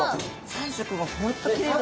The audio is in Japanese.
３色が本当きれいだ。